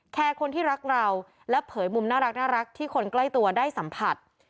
คนที่รักเราและเผยมุมน่ารักที่คนใกล้ตัวได้สัมผัส